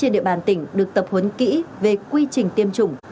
trên địa bàn tỉnh được tập huấn kỹ về quy trình tiêm chủng